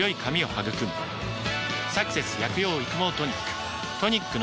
「サクセス薬用育毛トニック」